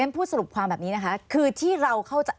พูดสรุปความแบบนี้นะคะคือที่เราเข้าใจ